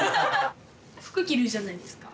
服着るじゃないですか。